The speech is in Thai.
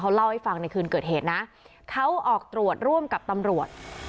เล่าให้ฟังในคืนเกิดเหตุนะเขาออกตรวจร่วมกับตำรวจ